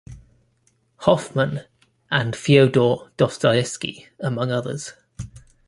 Hoffmann, and Fyodor Dostoevsky, among others.